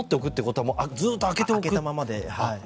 はい、開けたままで。